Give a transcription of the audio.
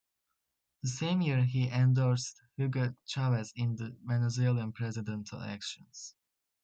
The same year he endorsed Hugo Chavez in the Venezuelan presidential elections.